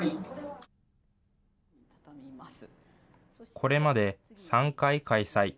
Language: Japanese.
これまで、３回開催。